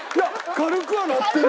軽くはなってる！